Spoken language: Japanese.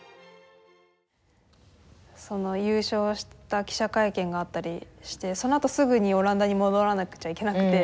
その優勝した記者会見があったりしてそのあとすぐにオランダに戻らなくちゃいけなくて。